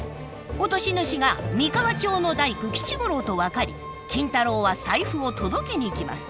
落とし主が三河町の大工吉五郎と分かり金太郎は財布を届けに行きます。